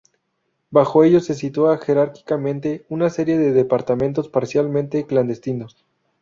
Bajo ellos se situaba jerárquicamente una serie de departamentos, parcialmente clandestinos.